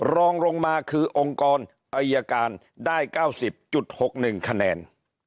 รองลงมาคือองค์กรอัยการได้๙๐๖๑คะแนน